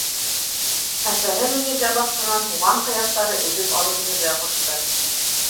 Әсәһе Мөниргә баҡсанан һуған ҡыяҡтары өҙөп алып инергә ҡушты.